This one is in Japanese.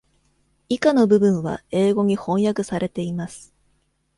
以下の部分は英語に翻訳されています。